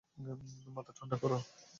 মাথা ঠান্ডা কর!